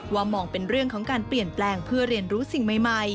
มองเป็นเรื่องของการเปลี่ยนแปลงเพื่อเรียนรู้สิ่งใหม่